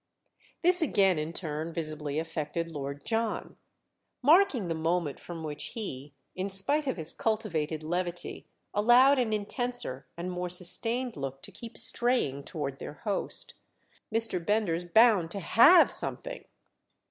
This again in turn visibly affected Lord John: marking the moment from which he, in spite of his cultivated levity, allowed an intenser and more sustained look to keep straying toward their host. "Mr. Bender's bound to have something!"